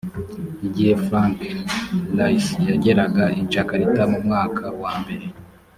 igihe frank rice yageraga i jakarta mu mwaka wa mbere